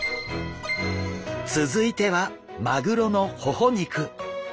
続いてはマグロのほほ肉。